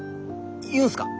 言うんすか？